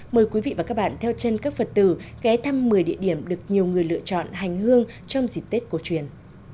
mời quý vị và các bạn theo chân các phật tử ghé thăm một mươi địa điểm được nhiều người lựa chọn hành hương trong dịp tết cổ truyền